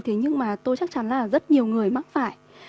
thế nhưng mà tôi chắc chắn là rất nhiều người mắc phải